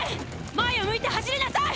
前を向いて走りなさい！